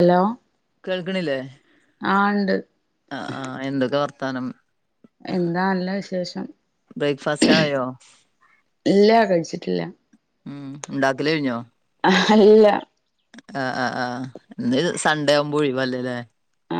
Hello കേൾക്കണില്ലേ? ആണ്ട്. ആഹ് ആഹ് എന്തൊക്കെ വർത്താനം? എന്താ നല്ല വിശേഷം. ബ്രേക്ക്ഫാസ്റ്റ് ആയോ ഇല്ല കഴിച്ചിട്ടില്ല. ഉം ണ്ടാക്കൽ കഴിഞ്ഞോ? ഹല്ല ആഹ് ആഹ് ആഹ് ഇന്ന് സൺഡേ ആവുമ്പോ ഒഴിവല്ലേലേ?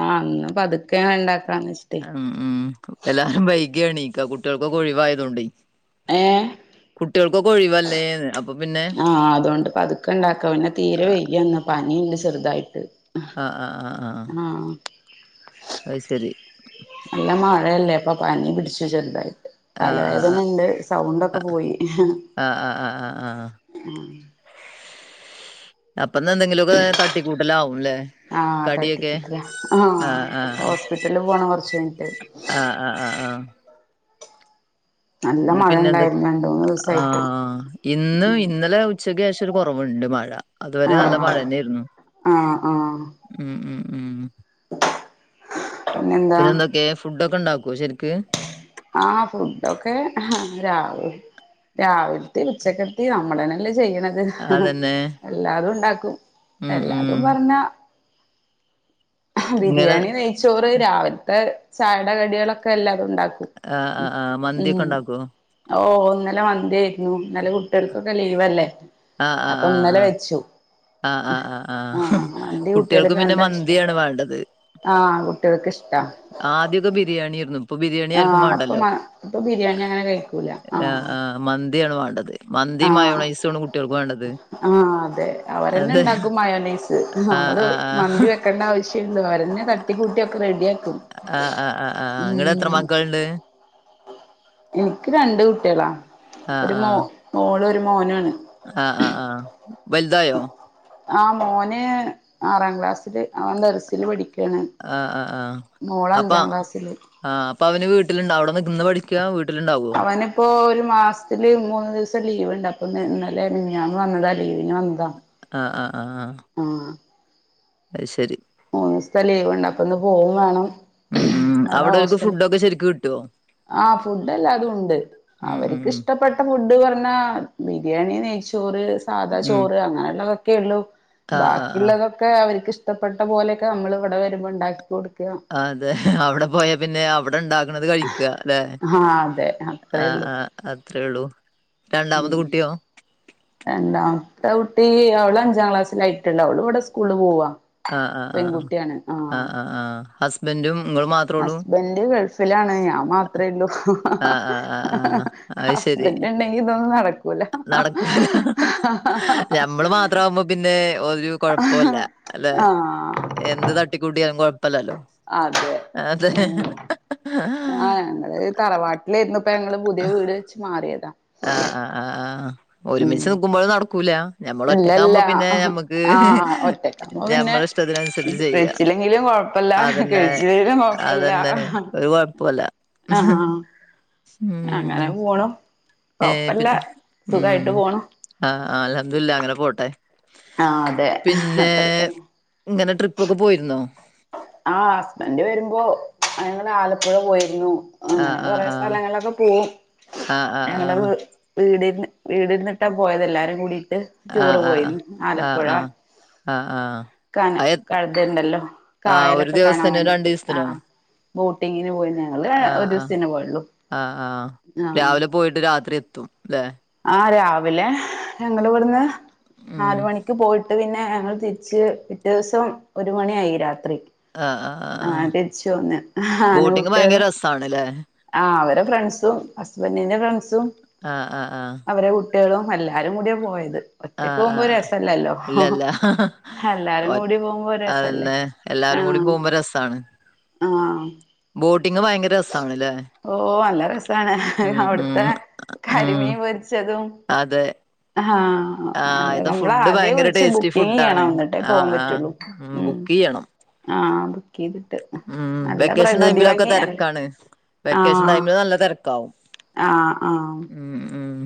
ആഹ് ഇന്ന് പതുക്കെ ഉണ്ടാക്കാന്ന് വെച്ചിട്ട്. ഉം ഉം എല്ലാവരും വൈകിയണീക്ക കുട്ടികൾക്കൊക്കെ ഒഴിവായതുകൊണ്ട്. ഏഹ് കുട്ടികൾക്കൊ ഒഴിവല്ലേ ആഹ് അതുകൊണ്ട് പതുക്കെ ഇണ്ടാക്കാം. പിന്നെ തീരെ വെയ്യന്ന് പനിണ്ട് ചെറുതായിട്ട്. ആഹ് ആഹ് ആഹ് ആഹ് ആഹ്. ആഹ്. അയ് ശരി. നല്ല മഴയല്ലേ അപ്പൊ പനി പിടിച്ചു ചെറുതായിട്ട്. ആ ആ തലവേദന ആ ഉണ്ട് സൗണ്ടൊക്കെ പോയി. ആ ആ ആ ആ ആ ആ അപ്പന്ന് എന്തെങ്കിലുമൊക്കെ തട്ടിക്കൂട്ടൽ ആവുംല്ലേ? ആഹ തട്ടിക്കുട്ടലാ ആ ആ ഹോസ്പിറ്റലില് പോണം കൊറച്ച് കഴിഞ്ഞട്ട്. ആഹ് ആഹ് ആഹ്. നല്ല മഴ പിന്നെ എന്തൊ ഉണ്ടായിരുന്നു രണ്ട് മൂന്ന് ദിവസായിട്ട് ആഹ് ഇന്ന് ഇന്നലെ ഉ ഉച്ചക്കേഷം ഒരു കുറവുണ്ട് മഴ അതുവരെ ആ നല്ല മഴ തന്നെയായിരുന്നു ആ ആ ഉം ഉം ഉം പിന്നെന്താ പിന്നെ എന്തൊക്കെ ഫുഡ് ഒക്കെ ഉണ്ടാക്കൊ ശരിക്ക് ആഹ് ഫുഡൊക്കെ രാവു രാവിലത്തെ ഉച്ചക്കെത്തീം നമ്മളനെല്ലേ ചെയ്യ്ണത് അതന്നെ എല്ലാതും ഉണ്ടാക്കും ഉം ഉം എല്ലാതും പറഞ്ഞ ഇങ്ങനെ ബിരിയാണി നെയ്ച്ചോറ് രാവിലത്തെ ചായയുടെ കടികളൊക്കെ എല്ലാതും ഉണ്ടാക്കും ആഹ് ആഹ് ആഹ് മന്തിക്കെ ഉണ്ടാക്കൊ ഓഹ് ഇന്നലെ മന്ത്യായിരുന്നു ഇന്നലെ കുട്ട്യേള്ക്കൊക്കെ ലീവല്ലേ ആഹ് ആഹ് അപ്പൊ ആഹ് ഇന്നലെ വെച്ചു ആഹ് ആഹ് ആ ആഹ് മന്തി കുട്ട്യേള്ക്കും പിന്നെ മന്തിയാണ് വേണ്ടത് ആഹ് കുട്ടികൾക്ക് ഇഷ്ടാ ആദ്യയൊക്കെ ബിരിയാണിര്ന്നു ഇപ്പൊ ആ ബിരിയാണിയാര്ക്കും അപ്പൊ വാണ്ടല്ലോ അപ്പൊ ബിരിയാണി അങ്ങനെ കഴിക്കൂല ആ ആഹ് ആഹ് മന്തിയാണ് വാണ്ടത് മന്തി ആ മയോണൈസു ആണ് കുട്ട്യേള്ക്ക് വേണ്ടത് ആഹ് അതെ അവര്ന്നെ അതെ ഇണ്ടാക്കും മയോനൈസ് ആഹ് നമ്മള് ആഹ് മന്തി വെക്കേണ്ട ആവശ്യ അവരെന്നെ തട്ടിക്കൂട്ടിയൊക്കെ റെഡിയാക്കും ആഹ് ആഹ് ആഹ് ആഹ് അങ്ങള് എത്ര ഉം മക്കളുണ്ട് എനിക്ക് രണ്ട് കുട്ടികളാ ആഹ് ഒരു മോ ആഹ് മോള് ഒരു മോനുആണ് ആഹ് ആഹ് ആഹ് വലുതായോ ആഹ് മോന് ആറാം ക്ലാസ്സില് അവൻ ദർസില് പഠിക്ക് പിന്നെ ആഹ് ആഹ് മോള് അഞ്ചാം ക്ലാസ്സില് ആഹ് അപ്പ അവന് വീട്ടിലണ്ട അവിടെ നിന്ന് പഠിക്കുക വീട്ടിലുണ്ടാവോ അവനിപ്പോ ഒരു മാസത്തില് മൂന്ന് ദിവസം ലീവ്ണ്ട് അപ്പൊ ഇന്നലെ മിനിഞ്ഞാന്ന് വന്നതാ ലീവിന് വന്ന ആഹ് ആഹ് ആഹ് മ്മ് അയ് ശരി മൂന്ന് ദിവസ്ത്തെ ലീവുണ്ട് അപ്പൊ ഇന്ന് പോകും വേണം ഉം ഉം അവിടെ ഒരുക്ക് ഫുഡൊക്കെ ശെരിക്ക് കിട്ടുവോ ആഹ് ഫുഡ് എല്ലാതും ഉണ്ട് ഉം ഉം അവര്ക്ക് ഉം ഇഷ്ടപ്പെട്ട ഫുഡ് പറഞ്ഞാ ബിരിയാണി നെയ്ച്ചോറ് സാദാ ഉം ചോറ് അങ്ങനെയുള്ളതൊക്കെ ഉള്ളു ആഹ് ആഹ് ആഹ് ഒക്കെ അവർക്ക് ഇഷ്ടപ്പെട്ട പോലെയൊക്കെ നമ്മൾ ഇവിടെ വരുമ്പോ ഇണ്ടാക്കി കൊടുക്കുക അതെ അവിടെ പോയാ പിന്നെ അവിടെ ഇണ്ടാക്കണുന്നത് കഴിക്കുക അല്ലെ ആ അതെ അത്രേ ആഹ് ഉള്ളൂ ആഹ് അത്രേയുള്ളൂ ഉം രണ്ടാമത് കുട്ടിയോ രണ്ടാമത്തെ കുട്ടി അവള് അഞ്ചാം ക്ലാസ്സിലായിട്ടുള്ള അവള് ഇവിടെ സ്കൂള്ൽ പോവാ ആഹ് ആഹ് ആഹ് പെൺകുട്ടിയാണ് ആ ആഹ് ആഹ് ആഹ് ഹസ് ബെന്റും ഇങ്ങളും മാത്രേ ഉള്ളൂ ഹസ്ബൻഡ് ഗൾഫിലാണ് ഞാൻ മാത്രേ ഉള്ളൂ ആഹ് ആഹ് ആഹ് ആഹ് അയ്ശരി [unintelligible] ണ്ടെങ്കിൽ ഇതൊന്ന് നടക്കും നടക്കൂല ഞമ്മള് മാത്രവുമ്പോ പിന്നെ ഒരു കൊഴപ്പുല്ല ല്ലെ ആഹ് എന്ത് ത ട്ടി കൂട്ടിയാലും കൊഴപ്പല്ലല്ലോ അതെ അതെ ഉം ആഹ് ഞങ്ങള് തറവാട്ടിലായിരുന്നു ഇപ്പ ഞങ്ങള് പുതിയ ആഹ് വീട് വെച്ച് മാറിയതാ ആഹ് ആഹ് ആഹ് ആ്ഹ് ഉം ഒരുമിച്ച് നിക്കുമ്പോൾ നടക്കൂല ഞമ്മൾ ഒറ്റക്ക ഇല്ലല്ല ആകുമ്പോ പിന്നെ ഞമ്മുക്ക് ആഹ് ഒറ്റക്കാവുമ്പോ പിന്നെ ഞമ്മള ഇഷ്ടത്തിന്നുസരിച്ച് ചെയ്യാം വെച്ചില്ലെങ്കിലും കൊഴപ്പല്ല അതന്നെ കഴിച്ചില്ലേലും കൊഴപ്പല്ല അതന്നെ ഒരു കൊഴപ്പുല്ല ആഹ് ഉ അങ്ങനെ പോണു ഏ കൊഴപ്പല്ല പിന്നെ സുഖായിട്ട് ഉം പോണു ആഹ് ആഹ് അൽഹംദുല്ല അങ്ങനെ പോട്ടെ ആഹ് അതെ പിന്നെ. അത്ര തന്നെ ണ്ടെന്ന് ട്രിപ്പൊക്കെ പോയിരുന്നോ. ആ ഹസ്ബൻഡ് വരുമ്പോ ഞങ്ങള് ആലപ്പുഴ പോയിര്ന്നു. അങ്ങനെ ആഹ് ആഹ് കൊറെ ആഹ് സ്ഥലങ്ങളൊക്കെ പോവും ആഹ് ആഹ് ഞങ്ങളത്. വീടിര്ന്ന് വീടര്ന്നിട്ടാ പോയത് എല്ലാരുംകൂടിട്ട്. ടൂറ് ആഹ്. പോയിര്ന്ന് ആഹ് ആലപ്പുഴ ആഹ്. ആഹ് ആഹ്. കാന അയ ആഹ് ആ എത് ക [unintelligible] ജല്ണ്ടല്ലോ ആ ഒരു കായലൊക്കെ കാണാൻ ദിവസത്തിനോ വേണ്ടി പോവും രണ്ടീസത്തിനോ? ആഹ് ആഹ് ബോട്ടിങ്ങിന് പോയിന്ന് ആഹ് ആഹ ആഹ ആഹാ ആഹ് രാവിലെ പോയിട്ട് രാത്രി എത്തും ലെ? ആ രാവിലെ ഞങ്ങളിവ്ട്ന്ന് ഉം. നാല്മണിക്ക് പോയി ട്ട് പിന്നെ ഞങ്ങൾ തിരിച്ച് പിറ്റേവ്സം ഒരു മണിയായി രാത്രി. ആഹ് അതിച്ചും അങ്ങനെ ആൺ ബോട്ടിങ് കുട്ടിയള്. ഭയങ്കര രസാണ്ല്ലേ? ആഹ് അവരെ ഫ്രണ്ട്സും ഹസ്ബൻറിന്റെ ഫ്രണ്ട്സും. ആഹ് ആഹ് ആഹ്. അവരെ കുട്ടിയളും എല്ലാരും കൂടിയ പോയത്. ഒറ്റക്ക് ആഹ് പോമ്പോ ആഹ്. രസല്ലല്ലോ ഇല്ലല്ല. ഒ എല്ലാരും കൂടി പോമ്പോ രസല്ലേ. അതന്നെ എല്ലാരും കൂടി ആഹ് പോവുമ്പോ രസാണ്. ആഹ്. ബോട്ടിങ് ഭയങ്കര രസാണ്ല്ലേ ഓഹ് നല്ല രസാണ് ഉം ഉം അവ്ട്ത്തെ ഉം. കരിമീൻ പൊരിച്ചതും. അതെ. ഹാ ആഹ് ഇത് ഫുഡ് ഞങ്ങളാധ്യേ ഭയങ്കര വ്ള്ച്ച് ടേസ്റ്റി ഫുഡാണ്. ബുക്കിങെയ്യണം ന്ന്ട്ടേ ആഹ് ആഹ്. പോവാൻപറ്റുള്ളൂ. ഉം ബുക്കിയ്യണം. ആഹാഹ ആഹ് വെക്കേഷൻ ടൈമിലൊക്കെ ഭംഗി അല്ല തെരക്കാണ്. വെക്കേഷൻ ആഹ് ടൈമില് നല്ല തെരക്കാവും ആഹ് ആഹ് ഉം ഉം.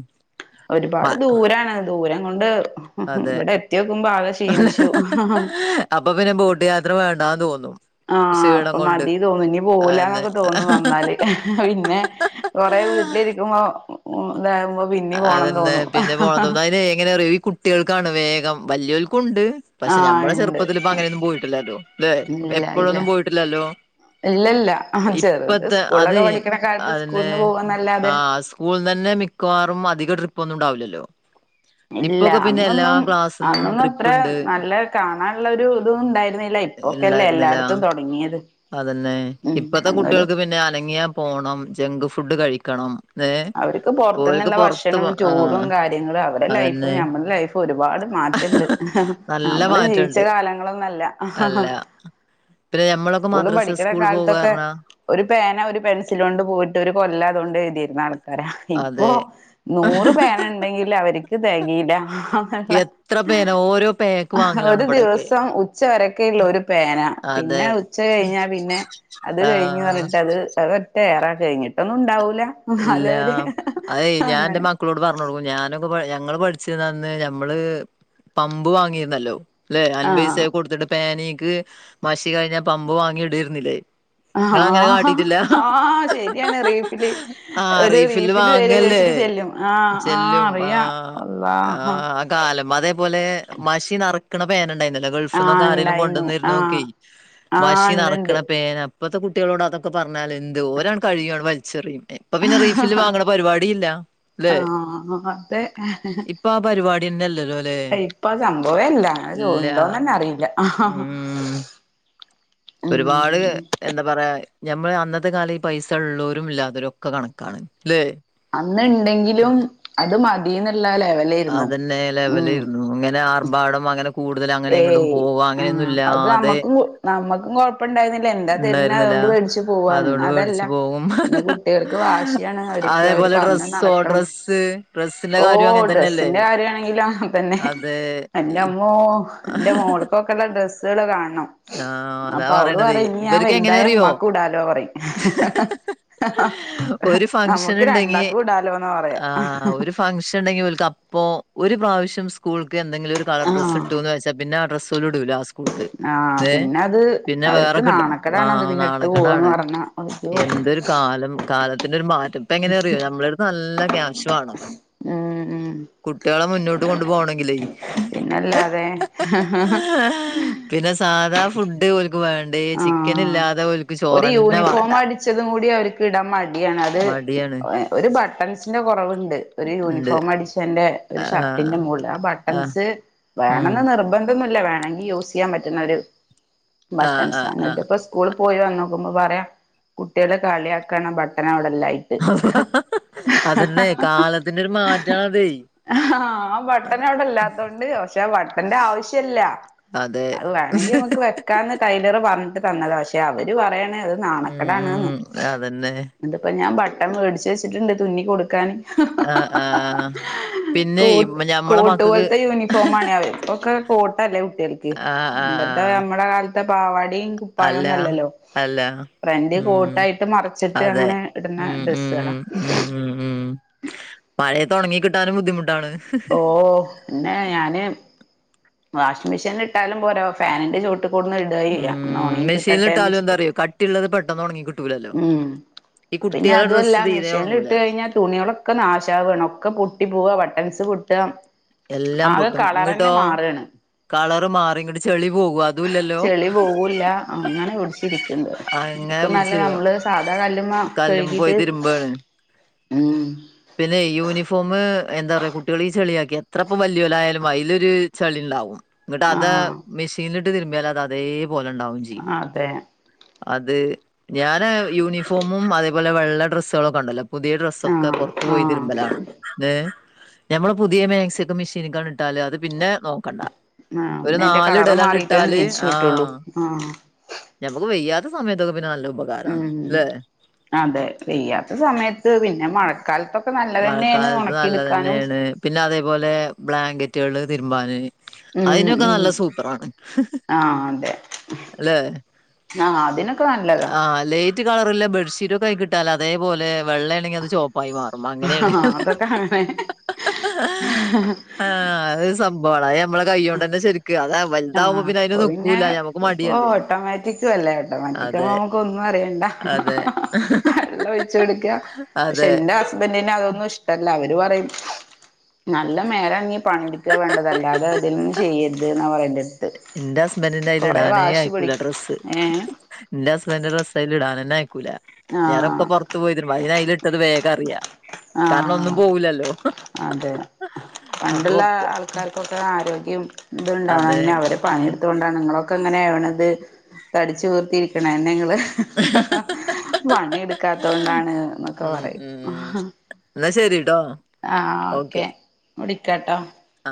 ഒരുപാട് മ ദൂരാണ് ദൂരം കൊണ്ട് അതെ വിടെ എത്തിയോക്കുമ്പോ ആകെ ക്ഷീണിച്ചു. അപ്പൊപിന്നെ ബോട്ട് യാത്ര വേണ്ടാ തോന്നും. ആഹ് ക്ഷീണം അപ്പൊ കൊണ്ട് മതി തോന്നും ഇഞ് അതെന്നെ പോവൂലാന്നൊക്കെ തോന്നു നന്നാല്. വിന്നെ കൊറെ വീട്ടിലിരിക്കുമ്പോ വേവോ. അതന്നെ പിന്നെ പോണന്ന് അതിന് എങ്ങനെ അറിയോ? ഈ കുട്ടികൾക്കാണ് വേഗം. വല്യോൽക്കുണ്ട്. പക്ഷെ ആഹ് നമ്മളെ ഇണ്ട് ചെറുപ്പത്തില്പ് പൊ അങ്ങനെന്നും പോയിട്ടില്ലട്ടോ? ല്ലെ ഇല്ല ഇല്ല എപ്പോഴൊന്നും പോയ്ട്ടില്ലല്ലോ? ഇല്ലല്ല ചെറുത് അത് സ്കൂളൊക്കെ പഠിക്കണ കാലത്ത് സ്കൂളന്ന് പോവന്നല്ലാതെ. കൂള്ന്നന്നെ മിക്കവാറും അധിക ട്രിപ്പ് ഒന്നു ഉണ്ടാവുല്ലല്ലോ? ഇല്ല അന്നൊന്നും അന്നൊന്നു ത്ര ട്രിപ്പ്ണ്ട് നല്ല കാണാനുള്ള രു തു ഉണ്ടായിര്ന്നില്ല ഇ ഒക്കല്ലേ ഇണ്ടായിരുന്നില്ല എല്ലാട്ത്തു തൊട്ങ്ങിത്. അതന്നെ ഇപ്പത്തെ കുട്ടിയൾക്ക് പിന്നെ അനങ്ങിയാ പോണം ജങ്ക് ഫുഡ് കഴിക്കണം ന്നേ. അവര്ക്ക് പൊർത്ത്ന്ന്ള്ള ഭശണം ചൂടും കാര്യങ്ങളും അവ്ടെ ലൈഫും അതന്നെ ന്നമ്മടെ ലൈഫും. ഒരുപാട് മാറ്റ്ണ്ട് നല്ല നമ്മള് ജീവിച്ച കാലങ്ങളൊന്നല്ല. ത്രേ ഞമ്മളൊക്കെ സ്കൂള് മദ്രസ പഠിക്കണ സ്കൂൾ കാലത്തൊക്കെ പോവാർഞ്ഞാ. ഒരു പേന ഒരു പെൻസിലോണ്ട് പോയിട്ട് ഒരു കൊല്ലതോണ്ട് എഴ്തിര്ന്ന ആ രാ ഇപ്പൊ അതെ നൂറ് പേനണ്ടെങ്കിൽ അവരിക്ക് തെകീല്ല. എത്ര പേന ഓരോ പേക്ക് വാങ്ങലാണ് ഒരു ഇബടെക്കെ ദിവസം ഉച്ച വരയ്ക്ക്ള്ളു ഒരു. പേന അതെ പിന്നെ ഉച്ച കഴ്ഞ്ഞാ പിന്നെ അത് ആഹ് കഴിഞ്ഞ്റഞ്ഞിട്ട് അത്. അതൊറ്റ ഏറ കഴിഞ്ഞിട്ടൊന്നുണ്ടാവൂല ന്നാലൊര് അങ്ങനെ. ക്കളോട് പറഞ്ഞൊട്ക്കു ഞാനൊക്കെ പഴ ഞങ്ങള് പഠിച്ചിര്ന്നന്ന് ഞമ്മള് പമ്പ് വാങ്ങിര്ന്നല്ലോ. ല്ലെ ആഹ് അൻബൈസെക്കെ കൊടുത്തിട്ട് പേനീക്ക് മശി കഴിഞ്ഞ പമ്പ് വാങ്ങി ട്ര്ന്നില്ലേ. ആഹ് ആഹാ ആഹ് ശരിയാണ് റീഫില്. ആഹ് ഒരു റീഫില്ല് റീഫില് വാങ്ങല്ലേ തെരോയ്ചിട്ട് ചെല്ലും ആഹ് ആഹ് ചെല്ലും അറിയാ ആഹ് അള്ളാഹ്. ആഹ് ആ കാലം അതേപോലെ മഷിനറക്ക ക്ക്ണ പേന ണ്ടാര്ന്നല്ലോ ആഹ് ഗൾഫ്ന്നൊക്കെ ആരെലും ഇണ്ടായിന്നു ആഹ് കൊണ്ടന്നെർന്നോക്കെയ് ആഹ് മഷി ഇണ്ട്ണ്ട് നെർക്കണ പേന. പ്പത്തെ കുട്ടിയളോട് അതൊക്കെ പറഞ്ഞാലെന്ത് ഒരാണ് കഴികി അണ്ട് വല്ച്ചെറിം. ഇപ്പം പിന്നെ റീഫില്ല് വാങ്ങ്ണ പരിപാടീല്ല ല്ലേ ആഹ് അതെ ഇപ്പ ആ പരിപാടിന്നെല്ലലോ ഇപ്പോ ആ സംഭവേ ഇല്ല അങ്ങനെ ഉണ്ടോന്നെന്നെ അറിയില്ല. ഉം ഒരുപാട് ഉം എന്താ പറയാ ഞമ്മള് അന്നത്തെ കാല പൈസ ഉള്ളവരും ഇല്ലാതവരും ഒക്കെ കണക്കാണ് ലെ അന്ന്‌ണ്ടെങ്കിലും അത് മതിന്ന്ള്ള ലേ അതന്നെ ലെവലിരുന്നു ഇങ്ങനെ ആർഭാടം അങ്ങനെ കൂടുതൽ അങ്ങനെ എങ്ങടും ഏയ് പോവാ അങ്ങനെയൊന്നും ആഹ് അത് ഇല്ലാതെ നമ്മക്കും നമ്മക്കും കൊഴപ്പണ്ടായിരുന്നില്ല എന്താ തരുന്നെ ഉണ്ടായിരുന്നില്ല അതുകൊണ്ട് മേടിച്ചു പോവാ ഇന്ന് അതുകൊണ്ട് അതല്ല മേടിച്ചു പോകും ഇന്ന് കുട്ടികൾക്ക് വാശിയാണ് അവർക്ക് അവര് അതേപോലെ പറഞ്ഞ ഡ്രസ്സോ ഡ്രസ്സ് ഡ്രസിന്റെ കാര്യ അങ്ങനെ തന്നെയല്ലേ ഡ്രസിന്റെ കാര്യണെങ്കിലും അങ്ങൻ തന്നെ അതെ എന്റെ അമ്മോ എന്റെ മോള്ക്ക്‌ ഇപ്പോക്കള്ള ഡ്രസ്സുകള് കാണണം ആഹ് അതാ അപ്പോ അവള് പറയണത് പറയുംഇനി ഞാൻ ഇവർക്ക് എങ്ങനെ വലുതായാൽ അറിയോ ഇമ്മാക്കും ഇടാലോ പറയും ഒരു ഫംഗ്ഷൻ നമ്മുക്ക് ഉണ്ടെങ്കി രണ്ടാക്കും ഇടാലോന്നാ പറയാ ആഹ് ഒരു ഫംഗ്ഷൻ ഇണ്ടെങ്കിൽ ഓൽക് അപ്പോ ഒരു പ്രാവശ്യം സ്കൂൾക്ക് എന്തെങ്കിലും ഒരു കളർ ഡ്രസ്സ് ആഹ് ഇട്ടു എന്ന് വെച്ചാ പ്പ പിന്നെ ആ ഡ്രസ്പോലും ഇടൂല സ്കൂൾക്ക്. ആഹ് ഏ പിന്നെ അത് പിന്നെ അവർക്ക് വേറെക്കിടും ആ നാണക്കേടാണ് അത് പിന്നെ ഇട്ട് പോവാന്ന് നാണക്കേടാണ് പറഞ്ഞാ അയ്യോ എന്തൊരു കാലം. കാലത്തിന്റെ ഒരു മാറ്റം ഇപ്പോ എങ്ങനെ അറിയോ നമ്മളട് ത് നല്ല കാശ് വോണം ഉം ഉം കുട്ടികളെ മുന്നോട്ട് കൊണ്ടു പോകണെങ്കിലേ. അല്ലാതെ പിന്നെ സാധാ ഫുഡ് ഓൽക്ക് വേണ്ടേ. ചിക്കൻ ആഹ് ഇല്ലാതെ ഓൽക്ക് ചോറന്നെ വാണ്ട. ച്ചതും കൂടി അവർക്ക് ഇടാൻ മടിയാണ്. അത് മടിയാണ് ഒരു ബട്ടൺസിന്റെ കുറവുണ്ട്. ഒരു ഇണ്ട് യൂണിഫോം അടിച്ചതിന്റെ ഒരു ആഹ് ഷർട്ടിന്റെ മുകളിൽ ആ ബട്ട ആഹ് [unintelligible] ഉം വേണന്ന് നിർബന്ധന്നുമല്ല. വേണമെങ്കിൽ യൂസ് ചെയ്യാൻ പറ്റുന്ന ഒരു ആഹ് ബട്ടൺസ് ആ. എന്നിട്ട് ഇപ്പ സ്കൂൾ പോയി വന്നേക്കുമ്പോൾ പറയാ, കുട്ടികളെ കളിയ ആക്കാണ് ആ ബട്ടൺ അവിടെ ഇല്ലാ അതന്നെ കാലത്തിന്റെ ഒരു മാറ്റണതെ. ആ ബട്ടൺ അവിടെ ഇല്ലാത്തോണ്ട് പക്ഷെ ആ ബട്ടന്റെ ആവശ്യല്ല. അതെ അത് വേണെങ്കി നമുക്ക് വെക്കാന്ന് ടൈലറ് പറഞ്ഞിട്ട് തന്നത. പക്ഷെ അവര് പറയണ ഇത് ഉം നാണക്കെടാണ്. ഉം അതന്നെ ഇതിപ്പ ഞാൻ ബട്ടൺ മേടിച്ച് വെച്ചിട്ടുണ്ട് തുന്നി കൊടുക്കാൻ. ആഹ് ആ. കോട്ട് കോട്ട് പോലത്തെ യൂണിഫോമാണ് അവര്ക്കൊക്ക കോട്ടല്ലെ കുട്ടികൾക്ക്. ആഹ് ആഹ് പണ്ടത്തെ ആഹ് നമ്മടെ കാലത്തെ പാവാടീം, അല്ല പഴോന്നല്ലല്ലോ. അല്ല ഫ്രണ്ട്‌ ഉം കോട്ടായിട്ട് മറിച്ചിട്ട് അതെ അങ്ങനെ ഇടുന്ന ഉം ഉം ഡ്രെസ്സുകളാ. ഉം ഉം ഉം മഴെത്ത് ഒണങ്ങി കിട്ടാനും ബുദ്ധിമുട്ടാണ്. ഓ പിന്നെ ഞാന് വാഷിംഗ് മെഷീൻ ഇട്ടാലും പോര, ഫാനിന്റെ ചോട്ടിൽ കോട്ന്ന് ഉം [unintelligible] കിട്ടട്ടെന്ന് മെഷീനിലിട്ടാലും വെച്ചിട്ട് എന്താറിയോ കട്ടിള്ളത് പെട്ടെന്ന് ഒണങ്ങി കിട്ടൂലല്ലോ ഉം ഈ പിന്നെ കുട്ടികളെ അതല്ല ഡ്രസ്സ് തീരെ മെഷീനിൽ ഒണങ്ങൂല ഇട്ട് കഴിഞ്ഞാൽ തുണികള ഒക്കെ നാശാവാണ് ഒക്കെ പൊട്ടി പോവാ ബട്ടൻസ് പൊട്ടാ എല്ലാം ആകെ പൊട്ടും കളർ തന്നെ ഇങ്ങട്ടോ മാറാണ് കളറ് മാറി ഇങ്ങട്ട് ചെളി പോകും അതും ഇല്ലല്ലോ ചെളി പോവൂല്ല അങ്ങനെ കൊറച്ച് ഇനിക്ക്ണ്ട് അങ്ങനെ നക്ക്നല്ല പിടിച്ചിരിക്കും നമ്മള് സാധാ കല്ലമെ കല്ലും പോയി കഴുകിട്ട് തിരുമ്പാണ് ഉം പിന്നെ ഈ യൂണിഫോം എന്താ പറയാ കുട്ടികള ഈ ചെളിയക്കിയാ ത്രപ്പോ വലിയലായയാലും അതിലൊരു ചെളി ഉണ്ടാവും എന്നിട്ട് അത് ആഹ് മെഷീൻ ഇട്ട് തിരിമ്മിയില് അതേപല ഉണ്ടാവും. ചെയ്യും അതെ അത് ഞാന് യൂണിഫോമും അതേപോലെ വെള്ള ഡ്രസ്സുകളൊക്കെ ഉണ്ടല്ലോ പുതിയ ഡ്രസ്സൊക്കെ ആഹ് പുറത്തു ആഹ് പോയിതിരുമ്പലാണ് ഹേ നമ്മള് പുതിയ മേക്സി മെഷീന് ക്ക് ഇട്ടാല് അത് പിന്നെ നോക്കണ്ട ആഹ് ഒരു നീന്റെ നാല് കളറ് ഇടലാണ്ട് മാറിട്ടേന്ന് ഇട്ടാല് തിരിച്ചു കിട്ടുള്ളൂ ആഹ് ഞമ്മുക്ക് വെയ്യാത്ത സമയത്തൊക്കെ പിന്നെ നല്ല ഉപകാരാണ് ഉം ല്ലെ അതെ വെയ്യാത്ത സമയത്ത് പിന്നെ മഴക്കാലത്തൊക്കെ നല്ലതന്നെയാണ് മഴക്കാലത്ത് ഉണക്കിടുക്കാനും നല്ലതന്നെയാണ് പിന്നെ അതേപോലെ ബ്ലാങ്കറ്റുകൾ തിരുമ്പാന് ഉം അയ്‌നൊക്കെ ഉം നല്ല സൂപ്പറാണ് ല്ലെ ആ ഹ്അതിനൊക്കെ നല്ലതാ ആ ലേറ്റ് കളറില്ല ബെഡ്ഷീറ്റ് ഒക്കെ കിട്ടാ അതേപോലെ വെള്ള ആണെങ്കിൽ അത് ചോ വഴിമാറും അങ്ങനെയാണ് ആഹ് അതൊക്കെ അങ്ങനെ [inaudible] ആഹ് അത് സാ - കോളായാൽ ഞമ്മടെ കൈയോടന്നേ [unintelligible] അതാ വലുതാവുമ്പോ ആഹ് പിന്നെ അയ്‌ന്ക്കൂല്ല ഞമ്മക്ക് മടിയല്ലേ വറ്റി ക്കുവല്ലേ കേട്ടോ വറ്റിക്കുമ്പോ അതെ നമക് ഒന്നും അറിയണ്ട അതെ വെള്ളം ഓയിച്ചോടുക്കാ പക്ഷെ അതെ എന്റെ ഹസ് ഹസ്ബൻറിന് അതൊന്നും ഇഷ്ട്ടല്ല അവര് പറിം നല്ല മേലന ങ്ങി പണിട്ക്കാ വേണ്ടത്‌ അല്ലാതെ അതിനു ചെയ്യരുത് എന്നാ [unintelligible] ഇന്റെ ഹസ്ബൻറിന്റെ അയ്ൽ കൊറേ ഇടാനേ വാശി പിടി അയിക്കൂല ഡ്രസ്സ് ഏഹ് എന്റെ ഹസ്ബൻന്റെ ഡ്രസ്സ് അയ്‌ല് ഇടാൻന്നെയക്കൂല ഞാനൊക്കെ ആഹ് പൊ [unintelligible] അയ്‌ന് അതിൽ ഇട്ടത് വേഗം അറിയാം കാരണം ഒന്നും ആഹ് പോവു ല്ലല്ലോ അതെ പണ്ടുള്ള ആൾക്കാർകൊക്കെ ആരോഗ്യം ഇത് അതെ ഉണ്ടാവണന്നെ അവരെ പണിയെടുതൊണ്ടാണ് നിങ്ങളൊക്കെ എങ്ങനെ ആവണത് തടിച്ച് വീർത്തിരിക്കണന്നെ നിങ്ങള് [inaudible] പണി എടുക്കാതോണ്ടാണ് ന്നൊക്കെ ഉം പറിം ഉം എന്നാ ശരിട്ടോ ആഹ് ഹ ഓക്കെ വിളിക്കാട്ടോ ആ